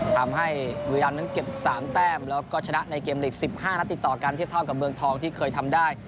ทำให้เวียดัมนั้นเก็บ๓แต้มแล้วก็ชนะในเกมหลีก๑๕นาทีต่อกันเท่ากับเมืองทองที่เคยทำได้